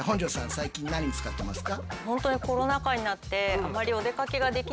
最近何に使ってますか？